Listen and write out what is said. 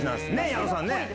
矢野さん